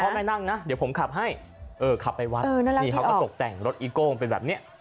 ไม่นั่งนะเดี๋ยวผมขับให้เออขับไปวัดนี่เขาก็ตกแต่งรถอีโก้งเป็นแบบนี้